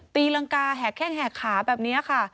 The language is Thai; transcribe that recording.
ตีรังกาแหกแข้งแหกขาแบบนี้ค่ะ